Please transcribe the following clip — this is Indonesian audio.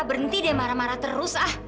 berhenti deh marah marah terus ah